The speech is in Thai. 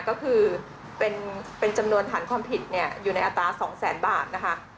ก็คือเป็นจำนวนฐานความผิดอยู่ในอัตรา๒แสนบาทนะคะ